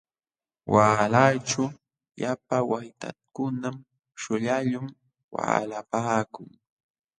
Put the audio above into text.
Waalayćhu llapa waytakunam shullayuq waalapaakun.